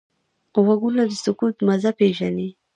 غوږونه د سکوت مزه پېژني